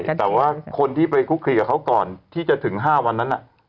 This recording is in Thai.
แต่ว่าคนที่ไปคุกคลีกับเขาก่อนที่จะถึง๕วันนั้น